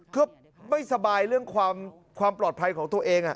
ก็ไม่สบายเรื่องความปลอดภัยของตัวเอง